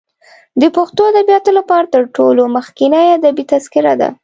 د پښتو ادبیاتو لپاره تر ټولو مخکنۍ ادبي تذکره ده.